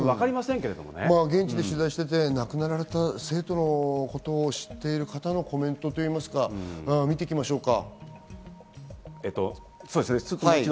現地で取材していて亡くなられた生徒のことを知っている方のコメントといいますか、みていきましょうか。